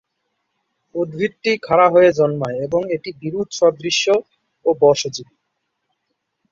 উদ্ভিদটি খাড়া হয়ে জন্মায় এবং এটি বীরুৎ সদৃশ ও বর্ষজীবী।